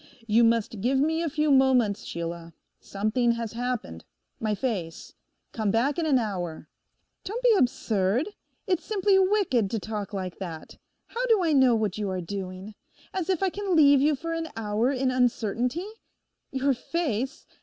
You must give me a few moments, Sheila. Something has happened. My face. Come back in an hour.' 'Don't be absurd; it's simply wicked to talk like that. How do I know what you are doing? As if I can leave you for an hour in uncertainty! Your face!